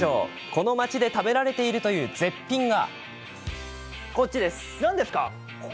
この町で食べられるという絶品が。